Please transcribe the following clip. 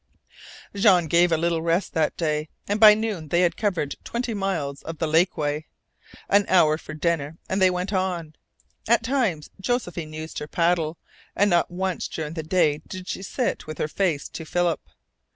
Jean gave little rest that day, and by noon they had covered twenty miles of the lake way. An hour for dinner, and they went on. At times Josephine used her paddle, and not once during the day did she sit with her face to Philip.